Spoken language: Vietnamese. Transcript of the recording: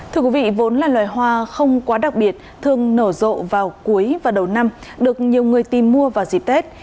thưa quý vị vốn là loài hoa không quá đặc biệt thường nở rộ vào cuối và đầu năm được nhiều người tìm mua vào dịp tết